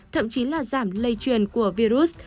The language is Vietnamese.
thậm chí là giảm lây truyền của virus